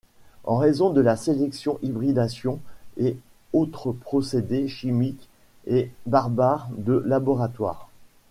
En raison de la sélection, hybridation et autres procédés chimiques et barbares de laboratoires.